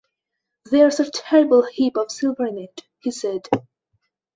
“There’s a terrible heap of silver in it,” he said.